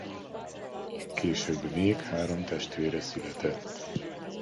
Később még három testvére született.